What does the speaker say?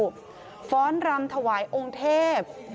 มีร่างทรงมีลูกศิษย์เข้าร่วมงานเยอะเลย